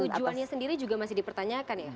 tujuannya sendiri juga masih dipertanyakan ya